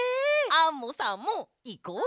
アンモさんもいこう。